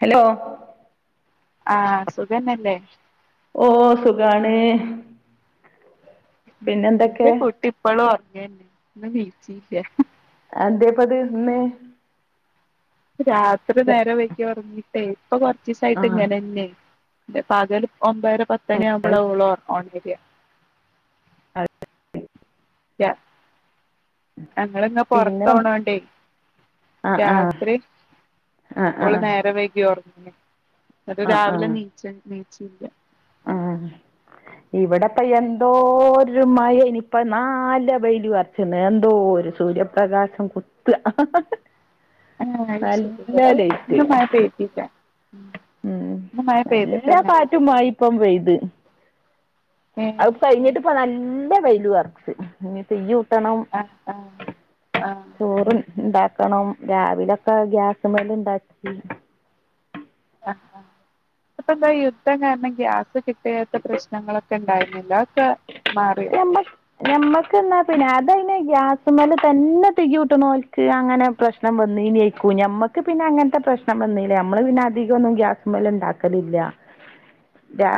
Hello ആഹ് സുഖന്നല്ലേ? ഓ സുഖാണ് ൻ്റെ പിന്നെന്തൊക്കെ കുട്ടി ഇപ്പോളും ഒറങ്ങേന്നെ ഇന്ന് നീച്ചില്ല എന്തേപ്പത് ഇന്ന് രാത്രി നേരം വൈകി ഉറങ്ങിട്ടേ ഇപ്പൊ ആ കൊറച്ചിസായിട്ട് ഇങ്ങനെന്നെ പകല് ഒമ്പര പത്തണിയാവുമ്പളാ ഓള് ഒണര്യ അ [unintelligible] യ ഞങ്ങളിങ്ങ പിന്നെ പൊറത്തോണണ്ടേ ആ ആ രാത്രി ആ ആ ഓള് ആ നേരം വൈകി ഒറങ്ങി. ന്നിട്ട് രാവിലെ നീച്ച് നീച്ചിയില്ല ആഹ് ഇവിടപ്പ എന്തോരുമയേയ്ന് ഇനിപ്പ നാല്ല വെയ്ലുആയി എന്തോരു സൂര്യപ്രകാശം കുത്തു ആഹ് അത് ശരി ഇബട ഇന്നു മഴ പെയ്തില്ല ഉം ഇന്ന് മഴ നല്ല പെയ്തിട്ടൊന്നുല്ല കാറ്റു. മയിം പ്പം പെയ്ത് ഏഹ് അത് കഴിഞ്ഞിട്ട് ഇപ്പ നല്ല വെയിലും ർച്ച് ഇനി തിയ്യൂട്ടണം ആഹ് ആഹ് ആഹ്. ചോറ് ഇണ്ടാക്കണം രാവിലൊക്കെ ഗ്യാസ്മെല് ഇണ്ടാക്കി. ആഹ് അപ്പന്താ യുദ്ധം കാരണം ഗ്യാസ് കിട്ടിയാത്ത പ്രശ്നങ്ങളൊ. ക്കെ ണ്ടായിര്ന്നില്ലേ അഒക്കെ മാറി അല്ല ഞമ്മക്ക് ന്നാ പിന്നെ അതെന് ഗ്യാസ്മല് തന്നെ തിയ്യൂട്ടണോൽക്ക് അങ്ങനെ. പ്രശ്നം വന്നീനേക്കു ഞമ്മക്ക് പിന്നെ അങ്ങൻത്തെ പ്രശ്നം വന്നില്ല നമ്മള് പിന്നെ അധികൊന്നും ഗ്യാസ്മ്മല് ഇണ്ടാക്കലില്ല.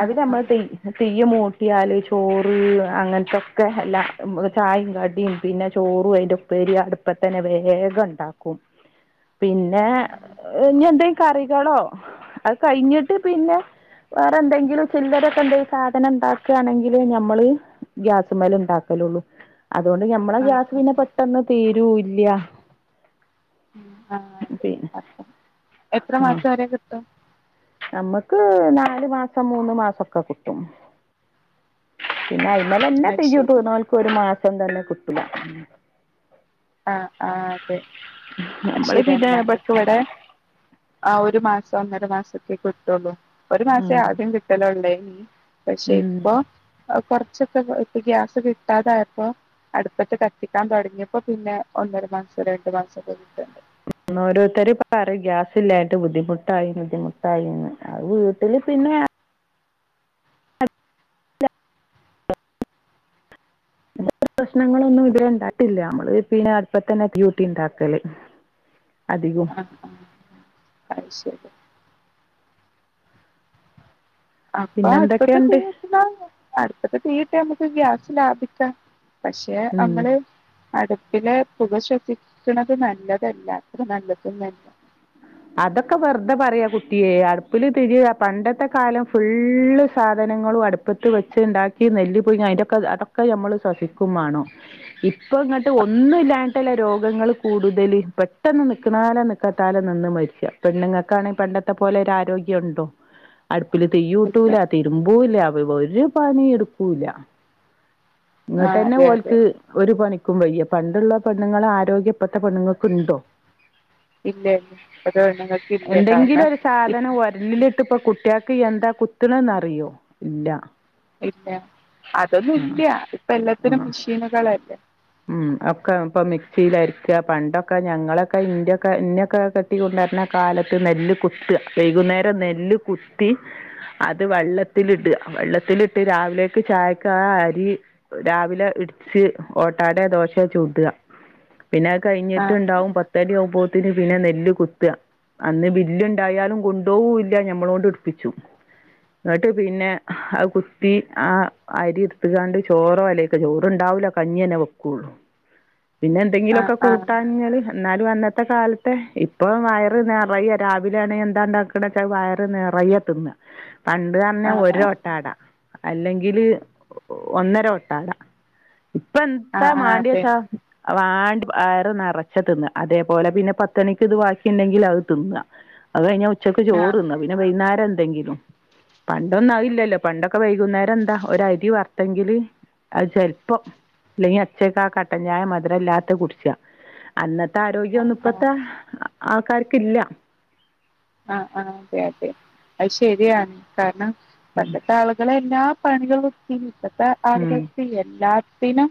ആഹ് നമ്മള് ആഹ് തീ തീയ് മൂട്ടിയാലും ചോറ്. അങ്ങൻത്തെക്കെ എല്ലാ ചായിം കടിയും പിന്നെ ചോറും അയിന്റെ ഉപ്പേരി അടു പ്പതന്നെ വേഗം ഇണ്ടാക്കും. പിന്നെ ആഹ് എഹ് നിന്തെ കറികളോ അഹ്കഴിഞ്ഞിട്ട് പിന്നെ. വേറെ എന്തെങ്കിലും ചില്ലറക്കെന്തെലു സാധനം ഇണ്ടാക്കാണെങ്കില് നമ്മള് ഗ്യാസ്മ്മല് ഇണ്ടാക്കലൊള്ളൂ അതോണ്ട് ഞമ്മളെ ആഹ് ഗ്യാസ് ആഹ് പിന്നെ ആഹ് പെട്ടെന്ന് തീരൂല്യ. ആഹ് പിന്നെ അഹ് എത്ര മാസവരെ കിട്ടും. നമ്മക്ക് നാാല് മാസം മൂന്ന് മാസൊക്കെ കിട്ടും. പിന്നെ ഉം അയ്മലന്നെ അത് തിജ്ജ് ശരി ഊട്ട്ണോൽക് ഒരു മാസം തന്നെ കിട്ടുല ആഹ് ആഹ് അതെ അയ് നമ്മൾ ശരിയാണ് പിന്നെ ഞങ്ങക്കിവ്ടെ. ആ ഒരു മാസം ഒന്നര മാസൊക്കെ കിട്ടുള്ളൂ ഒരു മാസേ ആദ്യം കിട്ടലൊള്ളേ പഷെ ഇപ്പൊ. അഹ്‌ കൊറച്ചൊക്കെ കെ ഗ്യാസ് കിട്ടാതായപ്പോ അടുപ്പത്ത് കത്തിക്കാൻ തൊടങ്ങിയപ്പോ പിന്നെ ഒന്നര മാസൊ രണ്ടു മാസൊക്കെ കിട്ട്ണ്ട്. ഒന്നോരോര്ത്തര് പറയ് ഗ്യാസ് ഇല്ലായ്ട്ട് ബുദ്ധിമുട്ടായി ബുദ്ധിമുട്ടായിന്ന് അഹ് വീട്ടില് പിന്നെ. പ്രശ്നങ്ങളൊന്നു ഇതെരെണ്ടായിട്ടില്ല മ്മള് പിന്നെ അട്പ്പതന്നെ തിയ്യൂട്ടിണ്ടാക്കല്. ആഹ് ആഹ് അഹ് അയ്ശരി. അപ്പ പിന്നെ അട്പ്പത്ത് എന്തൊക്കെയുണ്ട് ചെയ്യും [unintelligible] അടുപ്പത്ത് തീയൂട്ടിയാ നമ്മക്ക് ഗ്യാസ് ലാഭിക്ക പഷെ ഉം അമ്മള് അടുപ്പിലെ പുക ശ്വസിക്ക്ണത് നല്ലതല്ല ത്ര നല്ലതൊന്നല്ല അതൊക്കെ വെർതെ പറയാ കുട്ടിയേ അടുപ്പില് തിജ്ജ് പണ്ടത്തെ കാലം. ഫുള്ള് സാധനങ്ങളും അടുപ്പത്ത് വെച്ച്ണ്ടാക്കി നെല്ല് പുഴുങ്ങി അയിന്റൊക്കെ അതൊ ക്കെ ഞമ്മള് ശ്വസിക്കും വാണം ഇപ്പങ്ങട്ട് ഒന്നില്ലാഞ്ഞിട്ടല്ലെ രോഗങ്ങള് കൂടുതല് പെട്ടെന്ന് നിക്ക്ണാലെ നിക്കാ ത്താലെ നിന്ന് മരിച്ച പെണ്ണുങ്ങക്കാണെ പണ്ടത്തെ പോലെ ഒരു ആരോഗ്യണ്ടോ? അടുപ്പില് ഇല്ല തിയ്യൂട്ടൂല തിരുമ്പൂല്ല വ്-വ ഒരു പണിട്ക്കൂല്ല. ആ ഇന്ന്ട്ടെന്നെ അതെ അതെ ഓൽക്ക് ഒരു പണിക്കും വയ്യ പണ്ടുള്ള പെണ്ണുങ്ങളെ ആരോഗ്യപ്പത്തെ പെണ്ണുങ്ങക്ക്ണ്ടോ? ഇല്ലെ എന്തെങ്കിലൊരു. ഇ- സാധനം ഒരലിലിട്ട്പ്പം കുട്ട്യാക്ക് എന്താ കുത്ത്ണെന്നറിയോ ഇല്ല. ഇല്ല ഉം അതൊന്നൂല്ല ഉം ഇപ്പെല്ലത്ത്നും മെഷീനുകളല്ലേ. ഉം ഒക്കെ ഇപ്പൊ മിക്സിലരിക്ക പണ്ടൊക്കെ ഞങ്ങളൊക്കെ ഇന്റക്കെ ഇന്നെക്കെ കെ ട്ടി കൊണ്ടരണ കാലത്ത് നെല്ല് കുത്ത വൈകുന്നേരം നെല്ല് കുത്തി അത് വെള്ളത്തിലിട വെള്ളത്തിലിട്ട് രാവിലേക്ക് ചായക്ക് ആ അരി രാവിലെ ഇട്ച്ച് ഓട്ടാടയോ ദോശയോ ചുട പിന്നെ അഹ് ആ ഉം. കഴിഞ്ഞിട്ട്ണ്ടാവും പത്ത് ത്തണി ആവുമ്പോത്തിന് പിന്നെ നെല്ല് കുത്ത അന്ന് ബില്ല്ണ്ടായാലും കൊണ്ടോവൂല്ല ഞമ്മളോണ്ട്‌ട്പ്പിച്ചും. ന്നട്ട് പിന്നെ അഹ് കുത്തി ആ അരി ഇട്ത്ത്ങ്ങാണ്ട് ചോറോ അയ്ലക്ക് ചോറ്ണ്ടാവുല്ല. കഞ്ഞെന്നെ വെക്കുള്ളൂ പിന്നെ ആ എന്തെങ്കിലൊക്കെ ആ കൂട്ടാൻഞ്ഞല് ന്നാലു അന്നത്ത കാലത്തെ ഇപ്പൊ വയറ് നെറയെ രാവിലാണേ എന്താണ്ടാക്ക ണ്ടാക്ക വയറ് നെറയെ തിന്ന് ഉ പണ്ട് പറഞ്ഞ ഒരോട്ടാടാ അല്ലെങ്കില് ഒന്നര ഒട്ടാട ഇപ്പോ ആ എൻത്താ ആ അതെ മാണ്ടിയാച്ചാ വാണ്ട വയറ് നെറച്ച തിന്ന് അതേപോലെ പിന്നെ പത്തണിക്ക് അത് ബാക്കിണ്ടെങ്കിൽ അത് തിന്നു അത് കഴിഞ്ഞ ഉച്ചക്ക് ആ ചോറ്ന്ന പിന്നെവൈന്നാരം എന്തെങ്കിലും പണ്ടൊന്നും അയ്ലല്ലോ പണ്ടൊക്കെ വൈകുന്നേരം എന്താ ഒ അരി വറുത്തെങ്കില് അത് ചെൽപ്പ - - ഇപ്പൊ ഇല്ലെങ്ക അച്ചൽക്കാ കട്ട ചായ മധുരം ഇല്ലാത്ത കുടിചാ അന്നത്തെ ആരോഗ്യം ആ ഒന്നും ആ ഇപ്പത്തെ ആൾക്കാർക്ക്ല്ല ആഹ് ആഹ് അതെ അതെ അത് ശരിയാണ് കാരണം പണ്ടത്തെ ആളുകളെല്ലാം. പണികൾക്ക ഇപ്പത്തെ ഉം ആളുകൾക്ക് എല്ലാത്തിനും.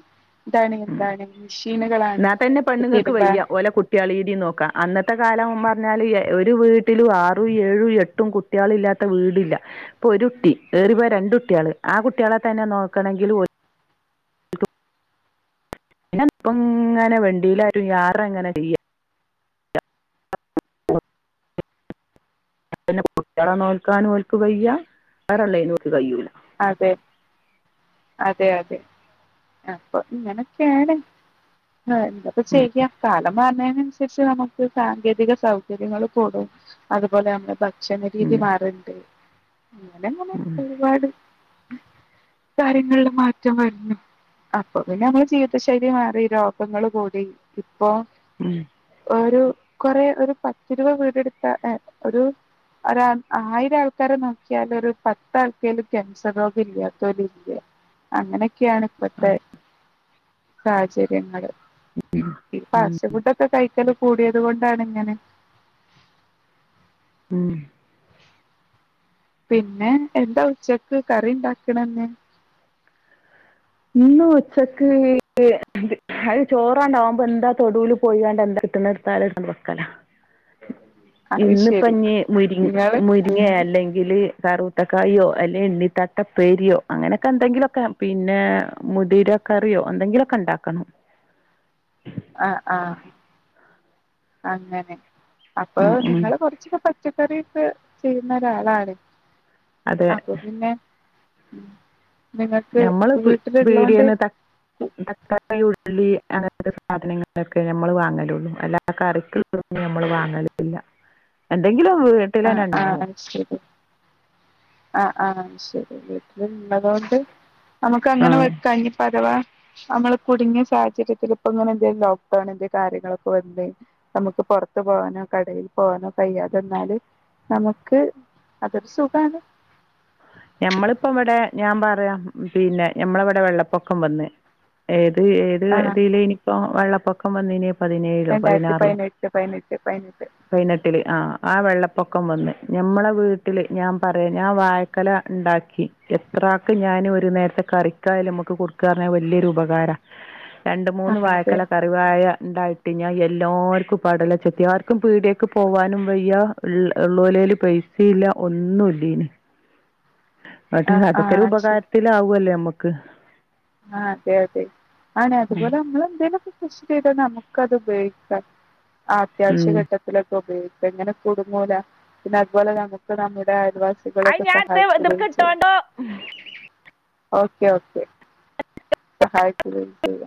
ഇതാണ് എന്താണ് മെഷീനുകളാണ് തിരുമ്പ കുട്ട്യാളീതിം നോക്കാം അന്നത്തെ കാലം പറഞ്ഞാല് ഒരു വീട്ടിലും ആറും ഏഴു എട്ടും കുട്ടി കുട്ടികളില്ലാത്ത വീടില്ല ഇപ്പൊ ഒരു കുട്ടി ഏറിപ്പോയാൽ രണ്ട കുട്ടികള് ആ കുട്ടികളെ തന്നെ നോക്കണങ്കിൽ പിന്ന ഇപ്പ ഇങ്ങനെ വണ്ടിയിലും യാറെ എങ്ങനെ ചെയ്യ ആ [inaudible] െകുട്ടികള നോൽക്കാനുംക്ക് വയ്യ വേറെ ള്ളിനക്ക് കയൂലല്ല അതെ അതെ അതെ അപ്പൊ ഇങ്ങനൊക്കെയാണ്. ആഹ എന്തപ്പോ ചെയ്യാ കാലംമാറ്ന്നെ അൻസരി - നമുക്ക് സാങ്കേതിക സൗകര്യങ്ങൾ കൂടും അതുപോലെ നമ്മുടെ ഭക്ഷണ ഉം രീതി മാറരത് അങ്ങനെങ്ങനെ ഉം ഒരുപാട് കാര്യങ്ങളില് മാറ്റം വരണം അപ്പൊ പിന്നെ നമ്മൾ ജീവിത ശൈലി മാറി രോഗങ്ങ ള്കൂടി ഇപ്പൊ ഉം ഒരു കൊറെ ഒരു പത്ത്ഇരുപത് വീടെടുത്ത ഒരു ഒ ആയിര ആൾക്കാരെ നോക്കിയാൽ ഒരു പത്ആൾ ക്കേലും ക്യാൻസർ രോഗം ഇല്ല തൊല്ഇല്ല അങ്ങനെയൊക്കെയാണ് ഇപ്പത്തെ ഉം സാഹചര്യങ്ങള് ഈ ഉം ഫാസ്റ്റ് ഫുഡ ഒക്കെ കഴിക്കല് കൂടിയത് കൊണ്ടാണ് ഇങ്ങനെ റ ഉം പിന്നെ എന്താ ഉച്ചക്ക് കറി ഉണ്ടാക്കണന്ന് ഇന്ന് ഉച്ചക്ക് അത് ചോറണ്ടാവുമ്പോ എന്താ തൊടുൽ പോയിണ്ട് എന്താ കിട്ടുണ് തല ഇട്ടങ്ങട്ക്കവെക്കല [inaudible] ശരി ഇന്ന്പ്പഞ്ഞ്മുരി നിങ്ങള് മുരി മുരിങ്ങ അല്ലെങ്കിൽ കറുത്തക്കായോ അല്ലെങ്ക എണ്ണിത്തട്ടപ്പേരിയോ അങ്ങനെയൊക്കെ എന്തെങ്കിലുമൊക്കെ പിന്നെ മുതിര കറിയോ എന്തെങ്കിലുമൊക്കെ ഉണ്ടാക്കണം. ആഹ ആഹ അങ്ങനെ അപ്പൊ ഉം ഉം നിങ്ങള് കൊറച്ചൊക്കെ പച്ച ചച്ചക്കറി ഒക്കെചെയ്യുന്ന ഒരാളാണ് അതെ അപ്പൊ പിന്നെ ഉ നിങ്ങക്ക് ഞമ്മള് പി വീട്ടിലുള്ളാണ്ട്. പീടിയേന്ന് ത തക്കാളി ഉള്ളി ഉള്ളി അങ്ങനത്തെ സാധനങ്ങളൊക്കെ നമ്മൾ വാങ്ങലുള്ളു അല്ലാ കറിക്ക്ള്ളന്നും നമ്മൾ വാങ്ങലില്ല എന്തെങ്കിലും വേ ആഹ് ആഹ് ശരി ആഹ ആഹ ശരിട്ട ള്ളതൊണ്ട് നമുക്ക് അങ്ങനെ ആഹ് വെക്കാംഇഞ്ഞ്പഅതവാ നമ്മള് കുടുങ്ങിയ സാഹചര്യത്തിൽ ഇപ്പ ഇങ്ങനെന്തും ലോക്ക്ഡൌൺ എ കാര്യങ്ങളൊക്കെ വന്ന നമുക്ക് പുറത്ത് പോകാനോ കടയിൽ പോവാനോ കഴിതെന്നാല്. നമുക്ക് അതൊരു സുഖണ് ഞമ്മളിപ്പ ഇവിടെ ഞാൻ പറയാം പിന്നെ ഞമ്മളവിടെ വെള്ളപ്പൊക്കം വന്ന് ഏത് ഏത് ആഹ് ഇതിൽ ഇനിപ്പോ വെള്ളപ്പൊക്കം വന്നിനി പതിനേഴിലോ രണ്ടായിരത്തി പതിനെട്ട് പയ്നെട്ട് പയ്നെട്ട് പയനെട്ടില് ആ ആ വെള്ളപ്പൊക്കം വന്ന് ഞമ്മളെ വീട്ടില് ഞാൻ പറയാ ഞാൻ വാഴ- കല ഉണ്ടാക്കി എത്രാക്ക് ഞാൻ ഒരു നേരത്തെ കറിക്കായ നമുക്ക് കൊടുക്കാറഞ്ഞാൽ വലിയൊരു ഉപകാരാ [inaudible] രണ്ട് മൂന്ന് ആഹ് അതെ വായ്ക്കൊലക- ആ വാഴ ഉണ്ടായിട്ട് ഞാൻ എല്ലാവർക്കും പടല ചെത്തി ആർക്കും പീട്യാക്ക് പോവാനും വയ്യ ഉള്ള ഉള്ളേലില് പൈസ ഇല്ല ഒന്നുല്ലയിനി അത് ആഹ് അതൊക്കെരു ആഹ് ശരി ഉപകാരത്തില ആവുല്ലേ നമ്മക്ക് ആ.. അതെ അതെ അതുപോലെ നമ്മ എന്തില- കൃഷി ചെയ്ത നമുക്ക് അത് ഉപയോഗിക്കാം ആ.. ഉം അത്യാവശ്യഘട്ട- ഉപയോഗിക്ക എങ്ങനെ കൊടുങ്ങൂല പിന്നെ അതുപോലെ നമുക്ക് നമ്മുടെ അയൽ വാസി അത് ഇവിടുന്ന് ഞാൻ സഹായിക്ക ഇതൊക്കെ ഒഴിച്ച് ഇട്ടോണ്ടോ ഓക്കെ ഓക്കെ സഹായക്കല് ഇപ്പൊ ഇല്ല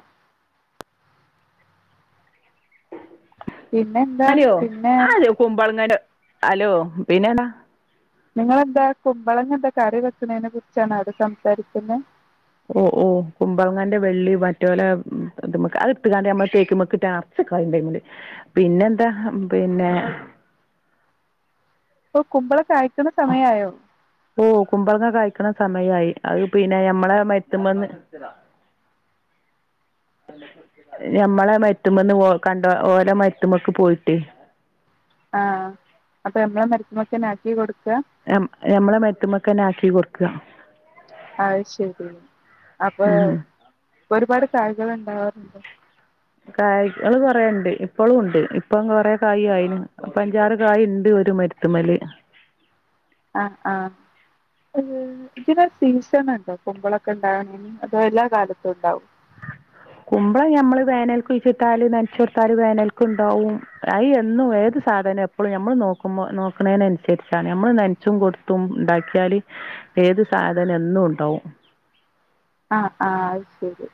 പിന്നെ എന്താ അലോ പിന്നെ അത് കുമ്പളങ്ങന്റെ അലോ പിന്നെന്നാ നിങ്ങളെന്താ കുമ്പളങ്ങ എന്താ കറി വെക്കണെനെ കുറിച്ചാണോ അത് സംസാരിക്കുന്നെ ഓ.. ഓ.. കുമ്പളങ്ങാന്റെ വെള്ളി മറ്റേ പോലെക്ക് അത് ഇട്ടുകാണ്ട്മ്മ തേക്ക്മെക്ക് ഇട്ടാ - [unintelligible] ണ്ട് പിന്നെ എന്താ പിന്നെ ഇപ്പൊ കുമ്പള കായ്ക്കണ സമയയോ? ഓ കുമ്പളങ്ങ കഴിക്കണ സമയമായി അത് പിന്നെ ഞമ്മളെ മരത്തുമെ ന്ന് ഞമ്മളെ മരത്തുമെന്ന് ഓ കണ്ട ഓള മരത്തുമെക്ക് പോയിട്ട് ആഹ! അപ്പൊ നമ്മളെ മരത്ത് മെക്കെന്നെ ആ ക്കി കൊടുക്ക ഞമ്മളെ മരത്തുമെക്കന്നെ ആക്കി കൊടുക്കു അയ് ശരി അപ്പൊ ഉം ഒരുപാട് കായ്കള് ഉണ്ടാവാറുണ്ടോ? കായ്കള കൊറെണ്ട് ഇപ്പോളും ഉണ്ട് ഇപ്പം കൊറെേ കായ ആയിന്പ്പ അഞ്ചാറ് കായ ഉണ്ട് ഒരു മരു- രത്തുമെല് ആഹ! ആഹ! ഏ ഇതിന് സീസൺ ഉണ്ടോ? കുമ്പളൊക്കെ ഉണ്ടാവണെ അതോ എല്ലാ കാലത്തും ഉണ്ടാവും? കുമ്പളം ഞമ്മള് വേനൽക്കഴിച്ചിട്ടാല് നനച്ച കൊടുത്താല് വേനൽക്ക ഉണ്ടാവും അഐ എന്നും ഏത് സാധന അപ്പോ നമ്മൾ നോക്കുമ്പോ നോക്കുന്നതിന അനുസരിച്ചാണ് നമ്മള് നനച്ചും കൊടുത്തും ഉണ്ടാക്കിയാല് ഏത് സാധന എന്നും ഉണ്ടാവും ആഹ! ആ.. അത് ശരി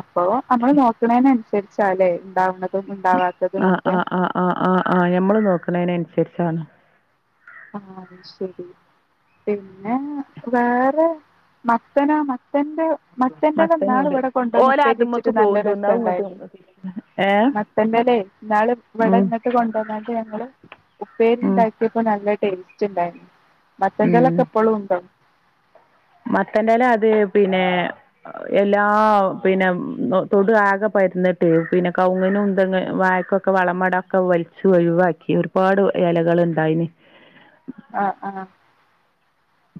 അപ്പോ നമ്മള് നോക്കണെന് അനുസരിച്ചാല്ലേ ഉണ്ടാവണത് ആ.. ആ്.. ആ്.. ആ്.. ആ്.. ആഹ്! ഞമ്മള് നോക്കണെന് അനുസരിച്ചാണ് ആഹ! അത് ശരി പിന്നെ വേറെ മത്തനാ മത്തന്റെ മത്തന്റെ ഇന്നാള് മത്തനുണ്ട് ഇവിടെ കൊണ്ടുവന്ന് ഓല് ഉപ്പേരി വച്ചിട്ട് അതുമ്മക്ക് നല്ല പോവ്ണ്ടോന്ന് അത് രസുണ്ടായിരുന്ന് ഇങ്ങോട്ട് ഏഹ് മത്തൻ്റെ ലെഇന്നാള് ഇവിടെ ഉം ഇങ്ങട്ട് കൊണ്ട വന്നാണ്ട് ഞങ്ങള് ഉം ഉപ്പേരിണ്ടാക്കി ണ്ടാക്കി പ്പ നല്ല ടേസ്റ്റ് ഉണ്ടായിരുന്നു മത്തൻ്റെ ല ക്കെ. ഇപ്പളും ഉണ്ടോ മത്തന്റെ എല അത് പിന്നെ എല്ലാ പിന്നെ തൊടു ആക പരുന്നിട്ട് പിന്നെ കൗവുങ്ങിനും ഇന്തെങ്ങ വാഴക്കൊക്കെ വളമടൊക്കെ വലിച്ചച്ച് ഒഴിവാക്കി ഒരുപാട് എലകളുണ്ടായിന് ആ.. ആ..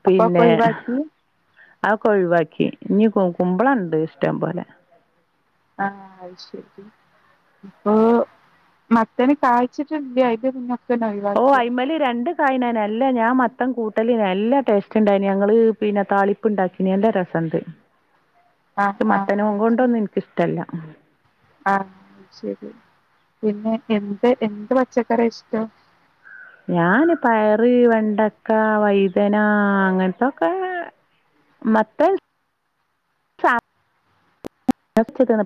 പിന്നെ അതൊക്കെ ഒഴിവാക്കി ഇനി കുമ്പളംഉണ്ട് ഇഷ്ടം പോലെ ആഹ! അയ് ശരി അപ്പൊ മത്തേന് കാഴ്ചിട്ടില്ല അതിന്റെ മുന്നെ ഓ അയിമെല് രണ്ട് കായനായിന് എല്ല ഞാൻ മത്തം കൂട്ടലില്ല ടേസ്റ്റ് ഉണ്ടായിന് ഞങ്ങള് പിന്നെ താളി പ്പ ഉണ്ടാക്കിന് നല്ല രസണ്ട് ആഹ് മത്തനും ആഹ് കൊണ്ടൊന്നും എനിക്കിഷ്ടല്ല ആഹ് ശരി പിന്നെ എന്ത് എന്ത് പച്ചക്കറിയാ ഇഷ്ടം ഞാന് പയറ് വെണ്ടക്ക വൈതന അങ്ങനത്തൊക്കെ മത്തൻ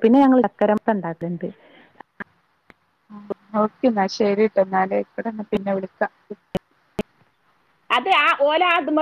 പിന്നെ ഞങ്ങൾ ചക്കര മത്തൻ ഉണ്ടാക്കൽണ്ട് ഓക്കെ എന്നാ ശരിട്ടോ എന്നാലേ ഇനി പിന്നെ വിളിക്കാം അത് ആ ഓല അത്മ്മക്ക്